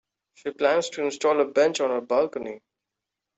She plans to install a bench on her balcony.